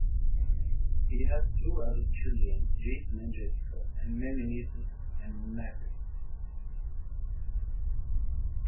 He has two adult children, Jason and Jessica, and many nieces and nephews.